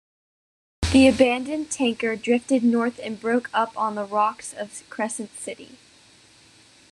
The abandoned tanker drifted north and broke up on the rocks off Crescent City.